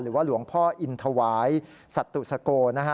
หรือว่าหลวงพ่ออินทวายสัตตุสโกนะฮะ